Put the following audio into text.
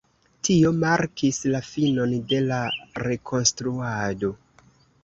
Tio markis la finon de la Rekonstruado.